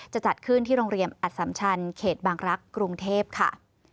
จะจัดขึ้นที่โรงเรียนอัสสัมชันเขตบางรักษ์กรุงเทพค่ะ